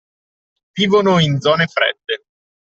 Vivono in zone fredde